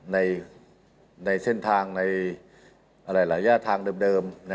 ในเส้นทางในหลายย่าทางเดิม